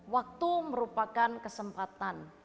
waktu merupakan kesempatan